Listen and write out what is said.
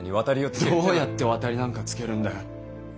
どうやって渡りなんかつけるんだよ。